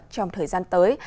trong thời gian tới